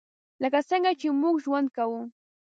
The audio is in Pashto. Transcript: لکه څنګه چې موږ ژوند کوو .